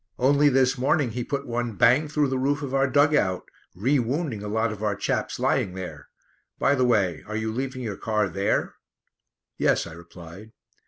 Only this morning he put one bang through the roof of our dug out, rewounding a lot of our chaps lying there. By the way, are you leaving your car there?" "Yes," I replied.